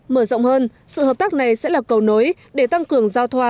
mở rộng hơn sự hợp tác này sẽ là cầu nối để tăng cường giao thoa